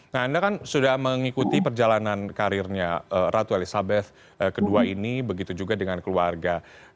nah anda kan sudah mengikuti perjalanan karirnya ratu elizabeth ii ini begitu juga dengan keluarga